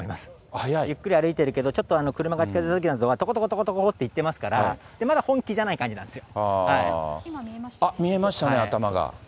ゆっくり歩いてるけど、ちょっと車が近づいたときは、とことことことこって行ってますから、あっ、見えましたね、頭が。